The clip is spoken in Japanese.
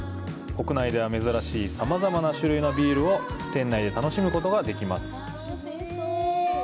国内では珍しい、さまざま種類のビールを店内で楽しむことができます。